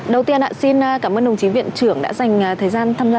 đầu tiên xin cảm ơn đồng chí viện trưởng đã dành thời gian tham gia